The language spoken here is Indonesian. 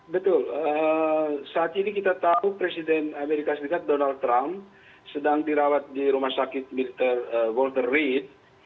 betul saat ini kita tahu presiden amerika serikat donald trump sedang dirawat di rumah sakit walter rate